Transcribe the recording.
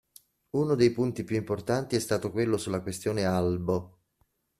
Uno dei punti più importanti è stato quello sulla questione Albo.